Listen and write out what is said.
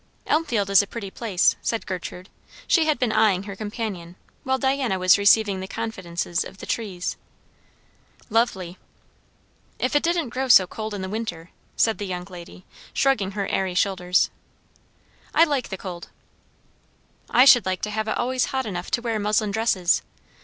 "Elmfield is a pretty place," said Gertrude. She had been eyeing her companion while Diana was receiving the confidences of the trees. "Lovely!" "If it didn't grow so cold in winter," said the young lady, shrugging her airy shoulders. "I like the cold." "I should like to have it always hot enough to wear muslin dresses.